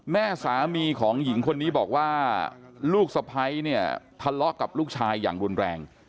แม่สามีของหญิงคนนี้บอกว่าลูกสะพ้ายเนี่ยทะเลาะกับลูกชายอย่างรุนแรง